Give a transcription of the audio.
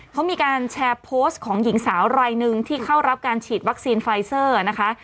เขามีการแชร์โพสต์ของหญิงสาวรายหนึ่งที่เข้ารับการฉีดวัคซีนไฟเซอร์นะคะ